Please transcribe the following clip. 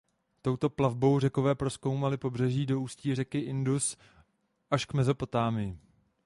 Touto plavbou Řekové prozkoumali pobřeží od ústí řeky Indus až k Mezopotámii.